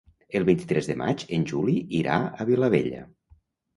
El vint-i-tres de maig en Juli irà a Vilabella.